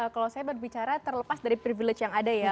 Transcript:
kalau saya berbicara terlepas dari privilege yang ada ya